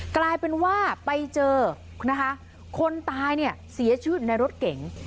กลายเป็นว่าไปเจอนะคะคนตายเนี่ยเสียชีวิตในรถเก๋ง